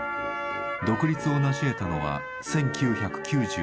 独立をなし得たのは１９９１年。